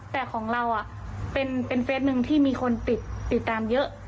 แต่ของเราเป็นเฟสหนึ่งที่มีคนติดตามเยอะ